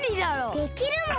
できるもん！